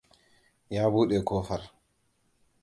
Ya buɗe ƙofar.